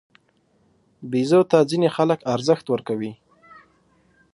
بیزو ته ځینې خلک ارزښت ورکوي.